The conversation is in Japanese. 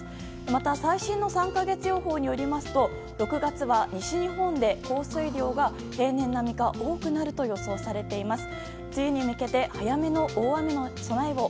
また、最新の３か月予報によりますと６月は西日本で、降水量が平年並みか多くなると予想されています。